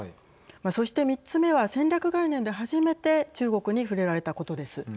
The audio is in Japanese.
そして３つ目は戦略概念で初めて中国に触れられたことです。